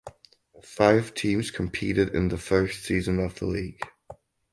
Five teams competed in the first season of the league.